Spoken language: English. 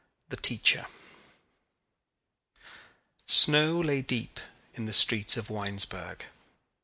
THE TEACHER Snow lay deep in the streets of Winesburg.